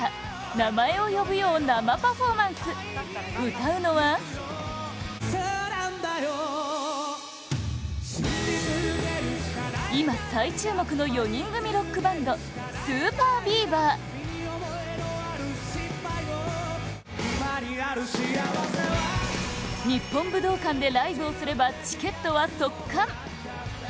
「名前を呼ぶよ」を生パフォーマンス歌うのは今、再注目の４人組ロックバンドＳＵＰＥＲＢＥＡＶＥＲ日本武道館でライブをすればチケットは即完！